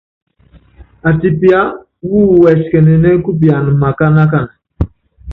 Atipiá wúú wɛsikɛnɛn kupian makánákana.